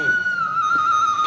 masuk aja kang